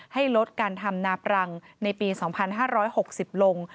ให้ลดการทำนาปรังในปี๒๕๖๐ลง